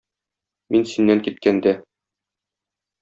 Мин синнән киткәндә.